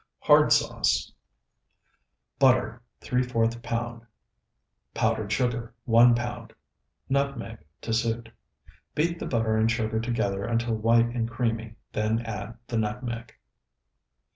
HARD SAUCE Butter, ¾ pound. Powdered sugar, 1 pound. Nutmeg to suit. Beat the butter and sugar together until white and creamy, then add the nutmeg.